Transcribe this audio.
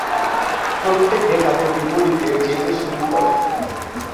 প্রত্যেকে তাদের বিপরীতে যেতে শুরু করে।